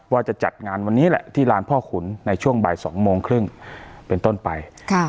ว่าจะจัดงานวันนี้แหละที่ลานพ่อขุนในช่วงบ่าย๒โมงครึ่งเป็นต้นไป